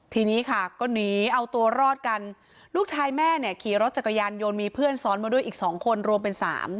ทีนี้ค่ะก็หนีเอาตัวรอดกันลูกชายแม่เนี่ยขี่รถจักรยานยนต์มีเพื่อนซ้อนมาด้วยอีกสองคนรวมเป็นสาม